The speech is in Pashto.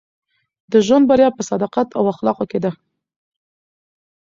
د ژوند بریا په صداقت او اخلاقو کښي ده.